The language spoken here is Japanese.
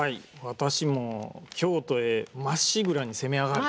私も京都へまっしぐらに攻めあがる。